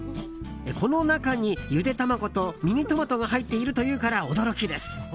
この中に、ゆで卵とミニトマトが入っているというから驚きです。